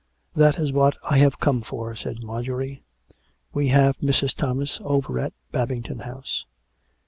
" That is what I have come for," said Marjorie. " We have Mrs. Thomas over at Babington House."